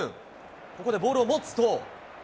ここでボールを持つと。